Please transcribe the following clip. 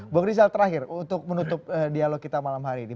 bung rizal terakhir untuk menutup dialog kita malam hari ini